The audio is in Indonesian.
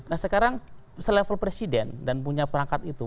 nah sekarang selevel presiden dan punya perangkat itu